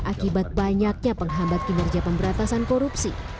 akibat banyaknya penghambat kinerja pemberantasan korupsi